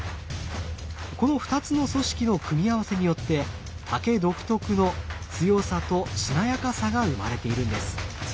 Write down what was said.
この２つの組織の組み合わせによって竹独特の強さとしなやかさが生まれているんです。